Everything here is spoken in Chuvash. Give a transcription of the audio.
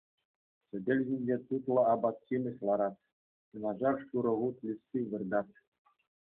Сӗтел ҫинче тутлӑ апат-ҫимӗҫ ларать, юнашар шурӑ хут листи выртать.